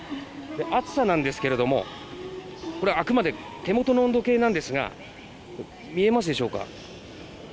暑さなんですがあくまで手元の温度計なんですが見えますでしょうか。